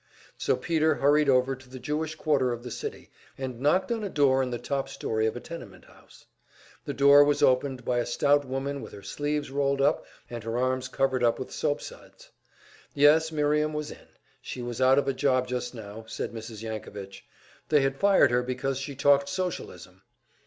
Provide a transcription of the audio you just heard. So Peter hurried over to the Jewish quarter of the city, and knocked on a door in the top story of a tenement house. The door was opened by a stout woman with her sleeves rolled up and her arms covered with soap suds. Yes, Miriam was in. She was out of a job just now, said Mrs. Yankovitch. They had fired her because she talked Socialism.